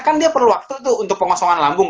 kan dia perlu waktu tuh untuk pengosongan lambung